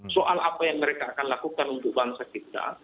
soal apa yang mereka akan lakukan untuk bangsa kita